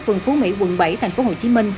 quận bảy tp hcm